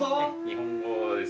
日本語です。